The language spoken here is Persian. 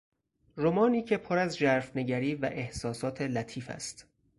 رمانی که پر از ژرفنگری و احساسات لطیف است